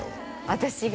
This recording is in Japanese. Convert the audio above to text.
私が？